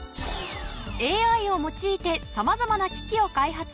ＡＩを用いて様々な機器を開発。